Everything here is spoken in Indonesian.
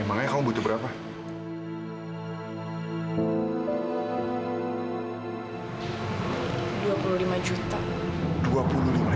emangnya kamu butuh berapa